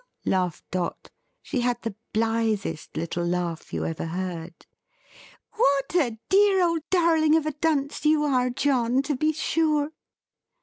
laughed Dot. She had the blithest little laugh you ever heard. "What a dear old darling of a dunce you are, John, to be sure!"